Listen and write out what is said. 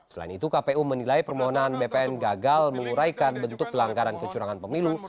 selain itu kpu menilai permohonan bpn gagal menguraikan bentuk pelanggaran kecurangan pemilu